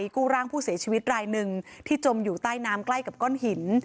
กู้ร่างผู้เสียชีวิตรายหนึ่งที่จมอยู่ใต้น้ำใกล้กับก้อนหิน